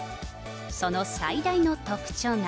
その最大の特徴が。